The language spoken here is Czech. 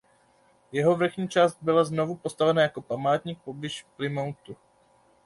Jeho vrchní část byla znovu postavena jako památník poblíž Plymouthu.